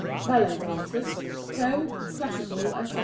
{Ballet Dances (Toe, Classical, Etc.)